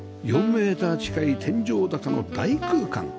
メーター近い天井高の大空間